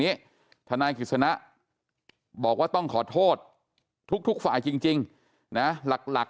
นี้ทนายกิจสนะบอกว่าต้องขอโทษทุกฝ่ายจริงนะหลัก